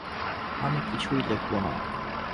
আমি কিছুই লেখব না।